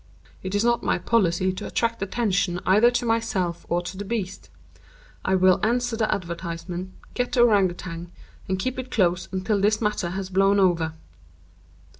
It is not my policy to attract attention either to myself or to the beast. I will answer the advertisement, get the Ourang Outang, and keep it close until this matter has blown over.